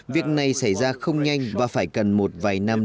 việc này xảy ra không nhanh và phải cần một vài năm